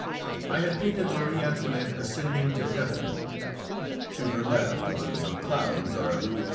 I had painted Marie Antoinette ascending to heaven; to her left, on some clouds, are Louis XVI.